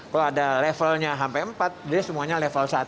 kalau ada levelnya sampai empat dia semuanya level satu